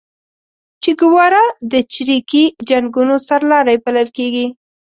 چیګوارا د چریکي جنګونو سرلاری بللل کیږي